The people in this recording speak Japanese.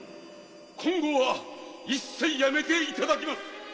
〔今後は一切やめていただきます！〕